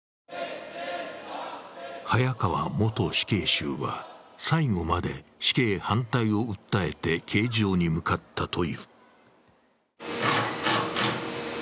早川元死刑囚は最後まで死刑反対を訴えて刑場に向かったという。